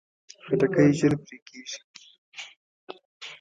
خټکی ژر پرې کېږي.